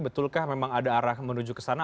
betulkah memang ada arah menuju ke sana